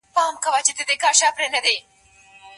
کیمیاوي مواد څنګه له منځه وړل کیږي؟